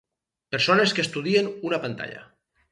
Persones que estudien una pantalla.